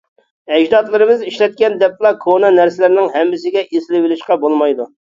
ئەجدادلىرىمىز ئىشلەتكەن دەپلا كونا نەرسىلەرنىڭ ھەممىسىگە ئېسىلىۋېلىشقا بولمايدۇ.